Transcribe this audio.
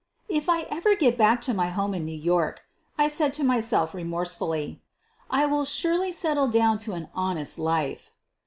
"If I ever get back to my home in New York," I said to myself remorsefully, "I will surely settle down to an honest life."